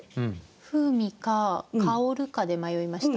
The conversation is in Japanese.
「風味」か「香る」かで迷いました。